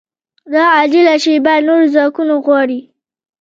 دا عاجله شېبه نور ځواکونه غواړي